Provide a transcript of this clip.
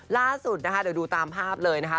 ล่าสุดนะคะเดี๋ยวดูตามภาพเลยนะคะ